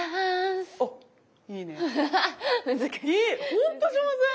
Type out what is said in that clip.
ほんと上手！